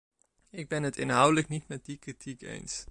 Ik ben het inhoudelijk niet met die kritiek eens.